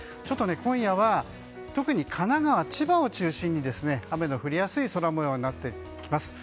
今夜は特に神奈川、千葉を中心に雨の降りやすい空模様になってきます。